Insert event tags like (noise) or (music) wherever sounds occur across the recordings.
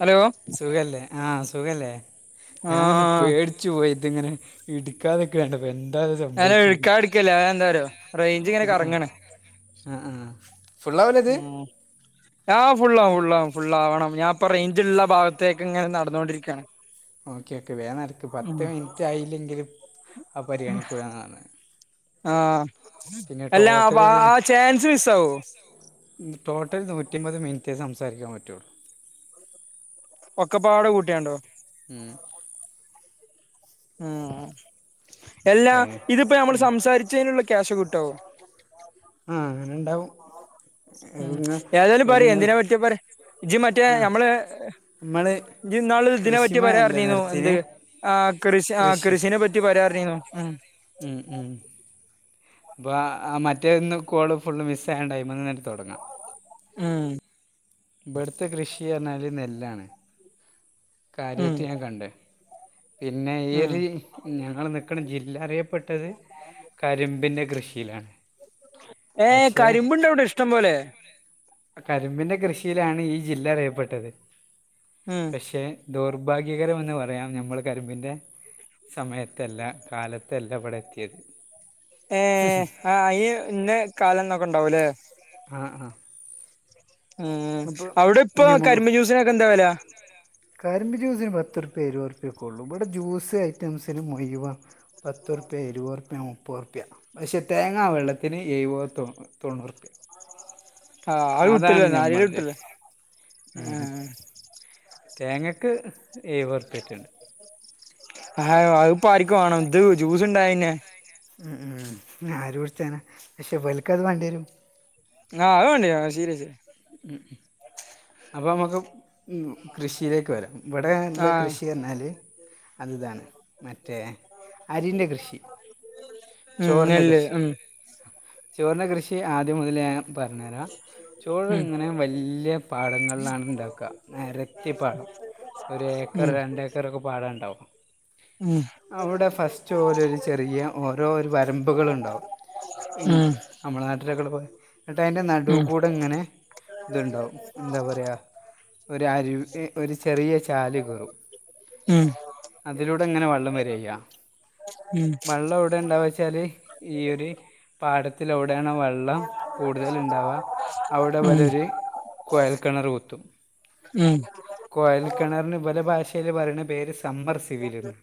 Hello സുഖല്ലേ ആഹ് സുഖല്ലേ ഞാനൊന്ന് ആഹ് പേടിച്ചു പോയിത് ഇങ്ങനെ ഇട് (unintelligible) ഇട്കാത്തരിക്കണ്ടപ്പോ എന്താ ഇദ് സംഭവിച്ച് അല്ല എടുക്കാതിരിക്കല്ലേ അതെന്താറിയോ ഇട്ക്കാതിരിക്കല്ല റേഞ്ച് ഇങ്ങനെ റെയ്ച് കറങ്ങാണ് ഇങ്ങനെ കറങ്ങാൻ ആഹ് ആഹ് ഫുള്ള് ആവുലെ ഇത് ന്നാ ഫുൾ ആവും ഫുള്ളാവും ഫുള്ളാവണം ഞാൻ ഇപ്പൊ റേഞ്ച് ഉള്ള ഭാഗത്തേക്ക് ഇങ്ങനെ നടന്നോണ്ടിരിക്കയാണ്. ഓക്കെ ഓക്കെ വേഗം നടക്ക് പത്ത് മിനിറ്റായില്ലെങ്കിൽ അത് പരിഗണിക്കൂല ന്നാ പറന്ന് ആഹ് എല്ലാ ആ ടോട്ടൽ ബാ ഇതിൽ ചാൻസ് മിസ്സാവോ ടോട്ടൽ നൂറ്റിമ്പത് മിനിറ്റ് സംസാരിക്കാൻ പറ്റുള്ളൂ ഒക്കെപ്പാടെ കൂട്ടിയാണ്ടോ മ്മ് ഉം എല്ലാ അപ്പൊ അതിന് ഇതിപ്പോ നമ്മൾ ഉം. സംസാരിച്ചതിനുള്ള ക്യാഷ് കിട്ടോ (unintelligible) ആഹ് അങ്ങനെ ഇണ്ടാവും ഉം ഏതായാലും പറയ് എന്തിനാ പറ്റി പറയ് ജ്ജ് മറ്റേ ആ നമ്മള് നമ്മള് ജ്ജ് ഇന്നാള് ഇതിനെ പറ്റി പറയാ എന്ന് കൃഷിമയല്ലേ പറഞ്ഞിനു എന്ത് നിർത്തിന് ആ കൃഷി ആ കൃഷീനെ പറ്റി പറയാറിന്നിന്നു മ്മ് മ്മ് മ്മ് അപ്പൊഅ മറ്റേന്ന് കോള് ഫുള്ള് മിസ് ആയോണ്ട് അതിൽമേന്ന് അങ്ങ് തുടങ്ങ മ്മ് ഇവിടുത്തെ കൃഷി പറഞ്ഞാൽ നെല്ലാണ് ഉം കാര്യായിട്ട് ഞാൻ കണ്ടേ പിന്നെ ഈ ഉം ഒരു ഞങ്ങൾ നിൽക്കണ ജില്ല അറിയപ്പെട്ടത് കരിമ്പിൻ്റെ കൃഷി (unintelligible) ഏഹ് കരിമ്പുണ്ടോ അവിടെ ഇഷ്ടം പോലെ കരിമ്പിന്റെ കൃഷിയിലാണ് ഈ ജില്ല അറിയപ്പെട്ടത്. മ്മ് പക്ഷെ ദൗർഭാഗ്യകരമന്ന് പറയാം നമ്മൾ കരിമ്പിൻ്റെ സമയത്തല്ല കാലത്തല്ല ഇവിടെ എത്തിയത് ഏ ആ അയിന് ഇന്ന കാലം എന്നൊക്കെ ഉണ്ടാവുംല്ലേ ആഹ് ആഹ് ഉം അവിടെ ഇപ്പൊ നമ്മൾ കരിമ്പിൻ ജ്യൂസിനൊക്കെ എന്താ വില കരിമ്പ് ജ്യൂസിന് പത്ത് റുപ്യേ ഇരുപത് റുപ്യേയൊക്കെ ഉള്ളൂ ഇവിടെ ജ്യൂസ് ഐറ്റംസന് മുഴുവൻ പത്ത് റുപ്യ ഇരുപത് റുപ്യ മുപ്പത് റു പ്യ പക്ഷെേ തേങ്ങ വെള്ളത്തിന് എഴുപതു തൊണ്ണൂറുപ്യ ആ അത് അതാണ് കിട്ടൂല നാല് കിലോ ഞമ്മള്‌ടെ കിട്ടൂല തേങ്ങക്ക് എഴുപതുർപ്യേട്ടുണ്ട് ആഹോ അത്പ്പോ ആർക്ക് വേണം ഇത് ജ്യൂസ് ഉണ്ടായന്നെ ഉ ഉം ആര് കുടിച്ചാന പക്ഷെ ഇവർക്കത് വേണ്ടി വരും ആഹ് അത് വേണ്ടി വരും സീരിയസ് ഉം അപ്പൊ നമുക്കും കൃഷിയിലേക്ക് വരാം ഇവിടെ ഉള്ള ആ കൃഷി എന്നാല് അതിതാണ് മറ്റേ അരിൻ്റെ കൃഷി ഉം ചോറിൻ്റെ നെല്ല് കൃഷി ഉം ചോറിന്റെ കൃഷി ആദ്യം മുതൽ ഞാൻ പറഞ്ഞരാ ചോറ് ഉം അങ്ങനെ വലിയ പാടങ്ങളിലാണ് ഉണ്ടാക്കുക നെരത്തി പാടം ഒരു ഏക്കർ രണ്ട് ഏക്കറൊക്കെ പാടണ്ടാവും ഉം അവിടെ ഫസ്റ്റ് ഓലൊരു ചെറിയ ഓരോ ഒരു വരമ്പുകളുണ്ടാവും ഉം നമ്മളെ നാട്ടിലൊക്കെ ഉള്ളപോ ഇന്നിട്ട് അതിൻ്റെ ഉം നടുവ ഉം കൂടെ ഇങ്ങനെ ഇതുണ്ടാവും എന്താ പറയുക ഒരു അരുവി ഒരു ചെറിയ ചാല് കീറും ഉം അതിലൂടെ ഇങ്ങനെ വെള്ളം വരാ ചെയ്യ ഉം വെള്ളം എവിടെ ഇണ്ടാവച്ചാല് ഈ ഒരു പാടത്തിലൂടെടെയാണ് വെള്ളം കൂടുതൽ ഉണ്ടാവുക ഉം ഇതെപോലൊരു കോഴൽക്കിണർ കുത്തും ഉം കോഴൽക്കിണറിന് ഇവരെ ഭാഷയിയില് പറയുന്ന പേര് സമ്മർശ ഇവരും (inaudible)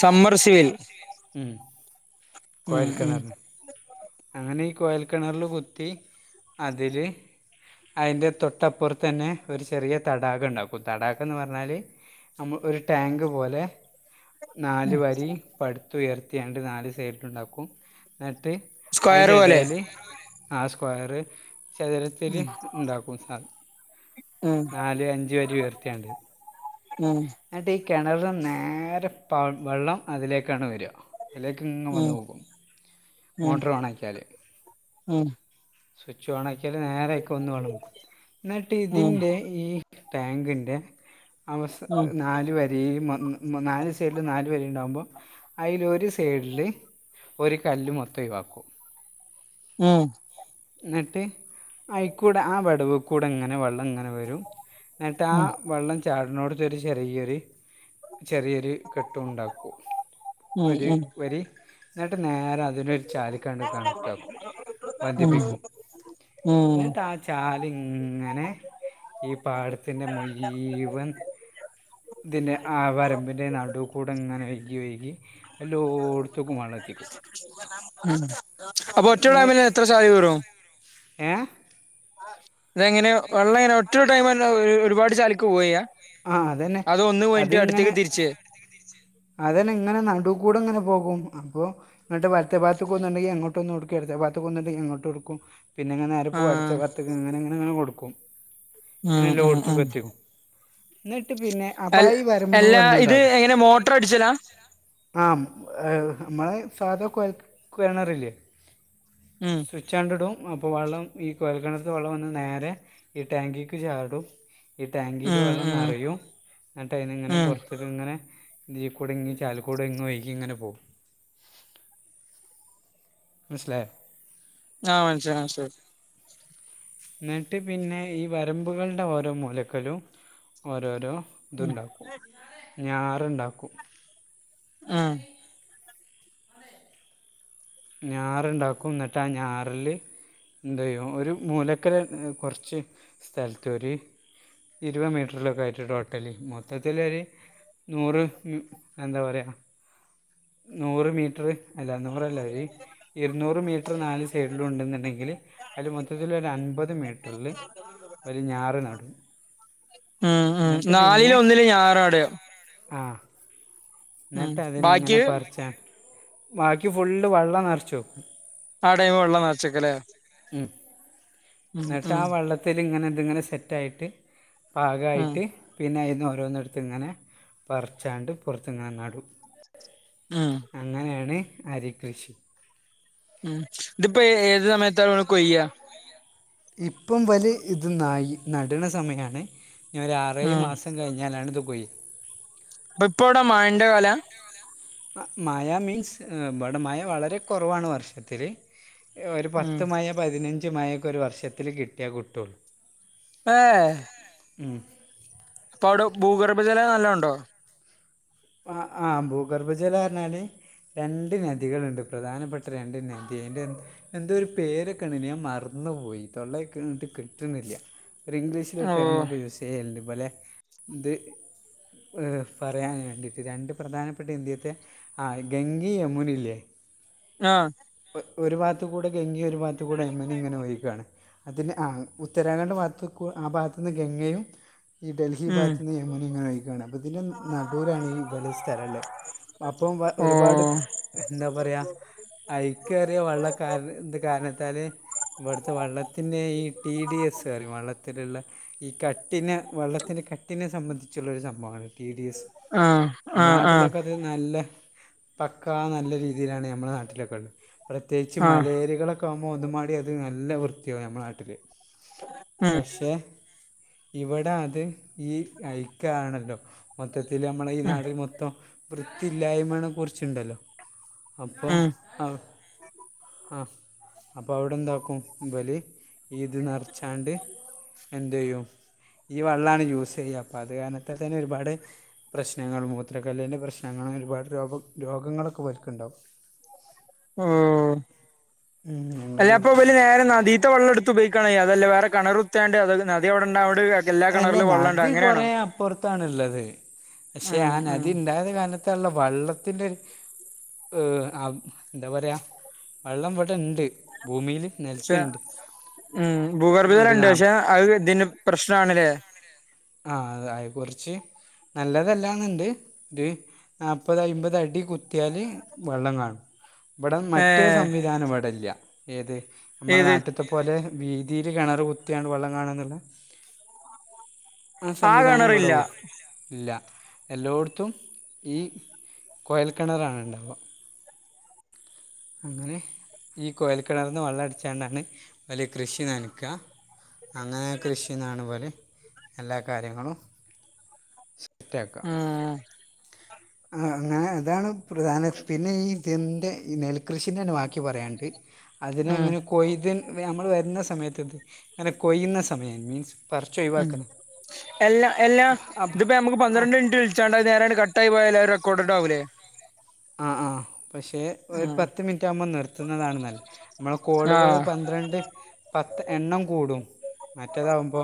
സമ്മർ സിവിൽ ഉം ഉം ഉം കോഴൽക്കിണർ അങ്ങനെ ഈ കോഴൽ കിണറില് കുത്തി അതില് അതിന്റെ തൊട്ടപ്പുറത്ത് തന്നെ ഒരു ചെറിയ തടാക ഉണ്ടാക്കും തടാകം എന്ന് പറഞ്ഞാൽ നമ്മൾ ഒരു ടാങ്ക് പോലെ നാല് വരി പടുത്തുയർത്തി അങ്ക്ട് നാല് സൈഡിൽ ഉണ്ടാക്കും ഇനട്ട് സ്ക്വയർ അതിൻ്റെ പോലെ ഇടയിൽ ആ സ്ക്വയർ ചതുരത്തില് ഇണ്ടാക്കും സാന ഉം നാല് അഞ്ച് വരി ഉയർത്തിയണ്ട് ഉം എന്നിട്ട് ഈ കിണറ് നേരെ വെള്ളം അതിലേക്കാണ് വരിക ഇതിലേക്ക് ഇങ് ഉം വന്ന് പോകും ഉം മോട്ടോർ ഓണാക്കിയാല് ഉം സ്വിച്ച് ഓൺ ആക്കിയാൽ നേരെ അതിൽക്ക് വന്ന് വെള്ളം വീഴും ഇന്നിട്ട് ഉം ഇതിൻ്റെ ഈ ടാങ്കിൻ്റെ അവസ ഉം നാല് വരെയും വന്ന് നാല് സൈഡില് നാല് പേര് ഉണ്ടാകുമ്പോൾ അതിലൊരു സൈഡില് ഒരു കല്ല് മൊത്തം ഒഴിവാക്കും ഉം എന്നിട്ട് ആയിക്കൂടെ ആ വിടവ് കൂടെ അങ്ങനെ വെള്ളങ്ങനെ വരും എന്നട്ട് ആ ഉം വെള്ളം ചാടിനടുത്തൊരു ചെറിയൊരു ചെറിയൊരു കെട്ടും ഉണ്ടാക്കും ഉം ഒര് ഉം വരി ന്ന്ട്ട് നേരാതിന് ചാരി കാണ്ട് കണക്ടാക്കും ഉം പദിപ്പിക്കും ഉം ന്ന് ട്ടാ ചാല്ങ്ങനെ ഈ പാടത്തിൻ്റെ മുഴിവൻ തിനെ ആ വരമ്പിന്റെ നടുകൂടെ ങ്ങനെ ഒഴികി ഒഴികി ഉം അപ്പൊ ഒറ്റ ഒര് ടൈമില് എന്നിട്ട് എത്ര സാരി കീറും ഏ തെങ്ങനെ വെള്ളം എങ്ങന ഒറ്റൊരു ടൈമെന്നേ ഒരുപാട് ചാല്ക്ക് പോവായ്യാ ആ അതന്നെ അതൊന്ന് പോയിട്ട് അതിങ്ങനെ അടുത്തേക്ക് തിരിച്ചേ അതന്നെ ഇങ്ങനെ നടു കൂടെ ഇങ്ങനെ പോകും. അപ്പോ ന്നട്ട് വലത്തെ ബാത്ത്ക്കൊന്ന്ണ്ടെങ്കി അങ്ങോ ഇപൊന്നുടുക്കരുത് ബാത്ത് പോവ്ന്ന്ണ്ടെങ്കി എങ്ങോട്ടുടുക്കും പിന്ന അങ്ങ് നേരെ പോവും ആഹ് അടുത്ത ബർത്ത് ഇങ്ങനെ ഇങ്ങനെ ഇങ്ങനെ കൊടുക്കും ഉം അങ്ങനെ ഉം ഉം ല്ലോട്ത്തുക്കെത്തിക്കും ന്ന്ട്ട് പിന്നെ അൽ അപായി വരുമ്പൊ എല്ലാ വന്നണ്ടാ ഇത് എങ്ങനെ മോട്ടർ അടിച്ചലാ ആ മ്മളെ സാധ കൊഴൽക്ക് കെണർല്ലെ ഉം കുഴിച്ചാണ്ട്ടും അപ്പോ വെള്ളം ഈ കൊയൽ കെണർത്തെ വെള്ളം വന്ന് നേരെ ഈ ടാങ്കിക്ക് ചാടും ലു ഉം വെള്ളം ഉം നെറയു ന്ന്ട്ട് അയിനെങ്ങനെ ഉം പൊറത്ത്ക്ക്ങ്ങനെ തീക്കൂടെങ്ങി ചാല് കൂടെങ്ങ് ഒഴ്കിങ്ങനെ പോവും മസ്ലായോ ആഹ് മനസ്ലായി മസ്ലാലായി ന്ട്ട് പിന്നെ ഈ വരമ്പുകൾടെ ഓരോ മൂലക്കലും ഓരോരോ ഉം ത്ണ്ടാക്കും ഞാറ്ണ്ടാക്കും ആഹ് ഞാറ്ണ്ടാക്കും ന്ന്ട്ടാ ഞാറ്ല് ന്തെയ്യും ഒരു മൂലക്കല് കൊറച്ച് സ്ഥലത്തൊര്‌ ഇരുവ് മീറ്ററിലൊക്ക ആയിട്ട് ടോട്ടലി മൊത്തത്തിലെര് നൂറ് എന്താ പറയാ നൂറ് മീറ്റർ അല്ല നൂറല്ലരി ഇരുന്നൂറ് മീറ്ററ് നാല് സൈഡിലു ണ്ട്ന്ന്ണ്ടെങ്കില് അയില് മൊത്തത്തില് ഒരൻപത് മീറ്റർല് ഒര് ഞാറ് നടും ഉം ഉം എന്നിട്ട് പിന്നെ നാലില് ഒന്നില് ഞാറടെയൊ ഉം ന്ന്ട്ട് അതിനെ ഇങ്ങനെ ബാക്കി പർച്ചാൻ ബാക്കി ഫുള്ള് വള്ളം നറച്ച് വെക്കും ആ ടൈമ് വെള്ളം നറച്ചെക്കലേ ഉം ന്ന്ട്ട് ആ ഉം വള്ളത്തില് ഇങ്ങനെ തിങ്ങനെ സെറ്റായിട്ട് ഉം പാകായിട്ട് പിന്നെ അയിന്ന് ഓരോന്നെട്ത്ത്ങ്ങനെ പറിച്ചാണ്ട് പൊറത്ത്ങ്ങനെ നടും ഉം അങ്ങനെണ് അരി കൃഷി ഉം തിപേ ഏത് സമയത്താമ്മൾ കൊയ്യാ ഇപ്പം വല് ഇത് നയി നട്ണ സമയണ് ഞെര് ആറേ ഏഴ് ഉം മാസം കഴിഞ്ഞ് ഞാലടത് കൊയ് ബപ്പൊടെ മഴന്റെ കാല മഴ മീൻസ് മ്പടെ മഴ വളരെ കൊറവാണ് വർഷത്തില് ഒരു ഉം പത്ത് മയ പതിനഞ്ച് മയൊക്കെ ഒരു വർഷത്തില് കിട്ടിയ കുട്ടുള്ളു ഏ ഉം ഇപ്പാവിടെ ഭൂഗർഭജലം നല്ലോണ്ടോ ആഹ് ആഹ് ഭൂഗർഭജലാറഞ്ഞാല് രണ്ട് നദികള്ണ്ട് പ്രധാനപ്പെട്ട രണ്ട് നദി അയിൻ്റെ എന്ത് ഒരു പേരൊക്കെണണ് ഞാൻ മറന്നു പോയി തൊള്ളൊക്ക് കിട്ടുണ്ല്ല ഒരു ഇംഗ്ലീഷ്. ഓ ത്ടേമൊക്കെ യൂസ് ചെയ്യല്ണ്ട് പോലെ ഇത് പറയാൻ വേണ്ടി രണ്ട് പ്രധാനപ്പെട്ട ഇന്ത്യത്തെ ആ ഗംഗി യമുനല്ലേ? ആഹ് ഒരു ഭാത്തു കൂടെ ഗങ്കി ഒരു ഭാത്ത കൂടെ എമ്മനി ഇങ്ങനെ ഒയിക്കണ്. അതിന് ആ ഉത്തരാഖണ്ഡ്ഭാഗതുക്കു ആ ഭാഗത്തു നിന്ന് ഗംഗയും ഈ ഡൽഹി ഉം ഭാഗത്തു നിന്ന് ഇങ്ങനെ ഇങ്ങനെ ആയിങ്ങാണ്ട് അതിന്റെ ന്നടു ലാണ് ഇമ്പലെസ്ഥലള്ളത്. അപ്പം വ ഓ ഒരുപാട് എന്താപറയാ ഐക്കേറിയ വെള്ള കാരന് ഇത്കാരണത്താല് ഇവിടുത്തെ വള്ളത്തിന് ഈ ടി ഡി എസ് റിം വള്ളത്തില്ള്ള. ഈ കട്ടിനെ വെള്ളത്തിന് കട്ടിനെ സംബന്ധിച്ചുള്ളൊരു സംഭവാണ് ടി ഡി എസ് ആഹ് മ്മളെ ആഹ് ആഹ് നാട്ടിലൊക്കെ അന്നല്ലപക്കാനല്ല രീതിയിലാണ് നമ്മളെ നാട്ടിലൊക്കെ ള്ളത്. പ്രത്യേകിച്ച് ആഹ് മലേറികളൊക്കെ ആകുമ്പോഒന്നമാടി അത് നല്ല വൃത്തിയാവും നമ്മുടെ നാട്ടില് ഉം പക്ഷെ ഇവിടെ അത് ഈഐയ് ക്കാണല്ലോ? മൊത്തത്തില് മ്മളെ ഈ ഉം നാട് മൊത്തം വൃത്തിയില്ലായ്മേണെ കുറിച്ച്ണ്ടല്ലോ? അപ്പോ ഉം ആ ആഹ് അപ്പൊ അവിടെ എന്താക്കുംവല് ഈത് നിറച്ചാണ്ട് എന്തയ്യും. ഈ വെള്ളണ് യൂസ് ചെയ്യഅപ്പ അത് കാരണത്തതന്നെ ഒരുപാട് പ്രശ്നങ്ങൾ മുഖ മുത്രക്കല്ലിൻ്റെ പ്രശ്നങ്ങള്ങ്ങനെ ഒരുപാട് രോഗ രോഗങ്ങളൊക്കെ ഇവൽണ്ടാകും. ഓ ഞങ്ങൾ അല്ല അപ്പമ (unintelligible) നേരെ നദീത്ത വെള്ളം എടുത്ത് ഉപയോഗിക്കാണ് ചെയ്യാ അതല്ല വേറെ കെണറ് കുത്തിയാണ്ട് അതായത് നദി അവിടൊണ്ട് അവിടൊരു അല്ലല്ല നദി കുറോ അപ്പുറത്തണ്ള്ളത്. പക്ഷെ ഉം ആ ഉം നദി ഇണ്ടായത് കാല തള്ള വെള്ളത്തിന്റെ ഒര് വ് എന്താപറയാ വെള്ളം ഇവടെ ഇണ്ട് ഭൂമില്. ക്ഷെ ഉ ഒരു ഭൂഗർബിവരെണ്ട് നാ പക്ഷെ അത് ഇതിന് പ്രശ്നണല്ലേ ആഹ അ അത് കുറച്ച് നല്ലതല്ലാന്നുണ്ട് ത് ന്നാപത്, അയ്മ്പത്, അടി കുത്യല് വെള്ളം കാണും. മ്പടെ മറ്റേ ഏഹ് സംവിധാനം ഇവിടെല്ല ഏത് നമ്മുടെ ഏത് നാട്ടിത്. ത്പോലെ വീതില് കിണറ് കുത്തിണ് വെള്ളം കാണ എന്നുള്ള. ആ സംവിധാനം വിടോ ഇല്ല എല്ലോടത്തും ഈ കോയൽക്കിണറാണ് ഇണ്ടാവ. അങ്ങനെ ഈ കോയൽ കിണർന്ന് വെള്ളം അടിച്ചുണ്ടാണ് ഇവൽ കൃഷി നനക്ക. അങ്ങനെ കൃഷിന്നാണ് പോലെ എല്ലാ കാര്യങ്ങളും. ഒറ്റക്ക ഉം ആ അങ്ങനെ അതാണ് പ്രധാന പിന്നെ ഈ ഇതിന്റെ ഈ നെൽകൃഷിന്റെണ് വാക്കി പറയാനണ്ട്. ഉം അതിനങ്ങനെ കൊയ്ത് നമ്മൾ വരുന്ന സമയത്ത ഇത് ങ്ങനെ കൊയ്യുന്ന സമയ മീൻസ് പറിച്ച് ഉം ഒഴിവാക്കുന്നത് എല്ലാ എല്ലാ അപ്പം ഇതിപ്പോ നമുക്ക് ആ പന്ത്രണ്ട് മിനിറ്റ് വി ച്ചാടാ നേരല് കട്ടായി പോയാല് റെക്കോഡ്ണ്ടാവില്ലേ? ആഹ് ആ പഷേ ഒരു ഉം പത്ത് മിനിറ്റ് ആകുമ്പോ നിർത്തുന്നതാണ് നല്ലേ. മ്മളെ കോളുകള് ആഹ് പന്ത്രണ്ട്. പത്ത് എണ്ണം കൂടും മറ്റേതാമ്പോ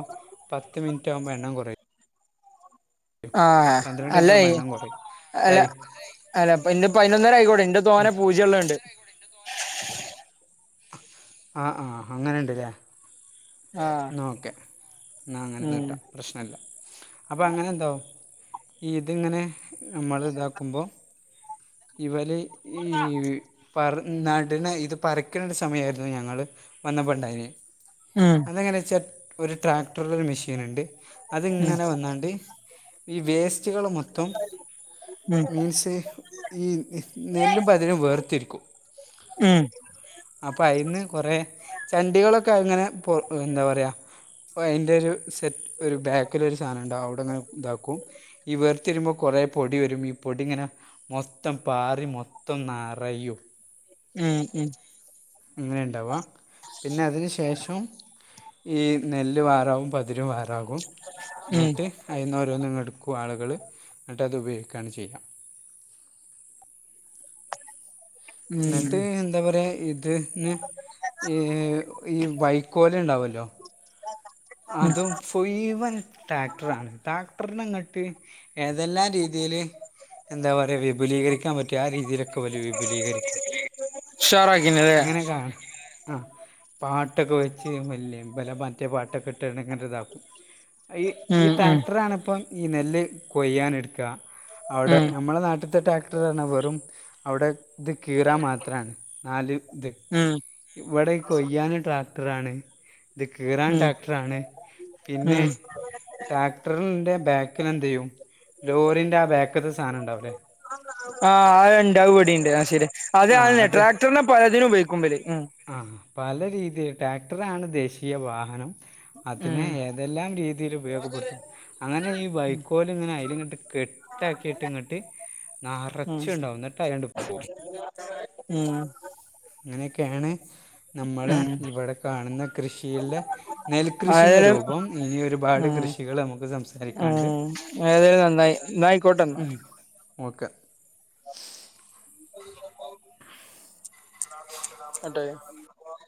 പത്ത് മിനിറ്റ് ആകുമ്പോഎണ്ണം കുറയും. ആഹ് അല്ല പന്ത്രണ്ട്മിന്റ് ആകുപോ എണ്ണം കോറിം അല്ല അല്ല അ പിന്നെപയിനൊന്നര ആയിക്കോട്ടെ ഇന്റെ തോനെ പൂജ്യള്ളത്ണ്ട് ആആഅങ്ങന ഇണ്ടല്ലേ ആഹ് ഉം ന്നാഓക്കെന്നഅങ്ങനെനീട്ടാം പ്രശ്നല്ല അപ്പങ്ങനെ എന്താവും ഈ ഇതിങ്ങനെ നമ്മൾള് ഇതാക്കുമ്പോ ഇവല്ഈപർ ന്നട്ണെ ഇത് പറികണ ഒരു സമയമായിരുന്നു ഞങ്ങള് വന്നപ്പ ണ്ടായിനെ. ഉം അതെങ്ങനെച്ചാഒരു ട്രാക്ടറില് ഒരു മെഷീൻ ഇണ്ട് ഉം അതിങ്ങനെ വന്നാണ്ട്. ഈ വേസ്റ്റ്കള് മൊത്തം ഉം മീൻസ് ഈ നെല്ലും പതിരും വേർത്തിരിക്കും ഉം അപ്പൊ അയ് ന്ന് കുറേ ചണ്ടികളൊക്കെ അത് ഇങ്ങനെ എന്താ പറയാ അയ് ന്റെ രു സെറ്റ് ഒരു ബാക്കിൽ ഒരു സാധനം ഇ ണ്ടാവും അവിടെങ്ങനെ ഇതാക്കും ഈ വേർത്തിരുമ്പോൾ കൊറേ പൊടി വരും ഈ പൊടി ഇങ്ങനെ മൊത്തം പാറി മൊത്തം നറയും ഉം ഉം ഇങ്ങനെണ്ടാവാ പിന്നെ അതിന് ശേഷം ഈ നെല്ല് വാറാവും പതിര് വാറാകും ഉം എന്നിട്ട് അയിന്ന് ഓരോന്ന് എടുക്കും ആളുകൾ എന്നിട്ട് അത് ഉപയോഗിക്കുകയാണ് ചെയ്യാ ഉം എന്നിട്ട് എന്താ പറയാ ഇതിന്ന് ഈ ഈ വൈക്കോല് ഉണ്ടാവല്ലോ (unintelligible) അതും ഫുയ് വൻ ട്രാക്ടറാണ് ട്രാക്ടറിനെ ഇ ങ്ങട്ട് ഏതെല്ലാം രീതില് എന്താ പറയ വിപുലീകരിക്കാൻ പറ്റും ആ രീതിയിലൊക്കെ ഇവല് വിപുലീകരിക്കും ഉഷാറാക്കിനല്ലേ ഇങ്ങനെക്കാ ആ പാട്ടൊക്കെ വെച്ച് വല്ലെ ഇബലെ മറ്റേ പാട്ടൊക്കെ ഇട്ട് ഇങ്ങന ഇതാക്കും ഈ ഈ ഉം ഉം ട്രാക്ടറാണിപ്പം ഈ നെല്ല് കൊയ്യാൻ എടുക്ക അവിടെ ഉം നമ്മളെ നാട്ടിത്തെ ട്രാക്ടറ് പറഞ്ഞവെറും അവിടെ ഇത് കീറാന് മാത്രമാണ് നാല് ഇത് ഉം ഇവിടെ ഇ കൊയ്യാൻ ട്രാക്ടറാണ് ഇത് കീ റാൻ ഉം ട്രാക്ടർ ആണ് പിന്നെ ഉം ട്രാക്ടറിന്റെ ബേക്കിൽ എന്ത് ചെയ്യും ലോറിന്റെ ആ ബേക്കത്തെ സാധനം ഉണ്ടാവുല്ലേ ആ അഇണ്ട് അത് ഇബടെണ്ട് ശരി അത ആഹ് അ ട്രാക്ടറിനെ പലതിനുംപയോഗിക്കുമ്പല് അ ആ പല രീതിയിൽ ട്രാക്ടറ് ആണ് ദേശീയ വാഹനം അതിനെ ഉം ഏതെല്ലാം രീതിയിൽ ഉപയോഗപ്പെടുത്തും അങ്ങനെ ഈ വൈക്കോല് ഇങ്ങനെ അയില് ഇങ്ങട്ട് കെട്ടാക്കിയിട്ട് ഇങ്ങട്ട് ഉം നറച്ച് ഇണ്ടാവും ഇന്നിട്ട് അയിലന്റ്റ് (unintelligible) ഉം ഇ ങ്ങനെക്കെയാണ് നമ്മള് ഉം ഇവിടെ കാണുന്ന കൃഷിയിലെ നെൽകൃഷി ന്റെ ആയാലും രൂപം ഇനി ഒരുപാട് കൃഷികൾ നമുക്ക് സംസാരിക്കാണ്ട് അത് ഏതായാലും നന്നായി ന്നാ ആയിക്കോട്ടെന്നാ ഓക്കെ (unintelligible)